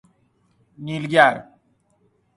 نیل گر